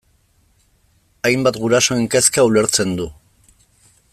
Hainbat gurasoren kezka ulertzen du.